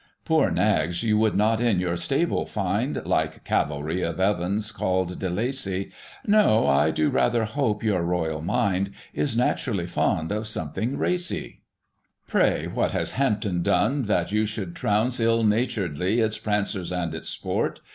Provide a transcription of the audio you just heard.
IL Poor ns^ you would not in your stable find, Like cavalry of Evans called De Lacey, No ! I do rather hope your royal mind Is naturally fond of something racy. Digitized by Google i6 GOSSIP. [1837 III. Pray, what has Hampton done that you should trounce ill naturedly its prancers and its sport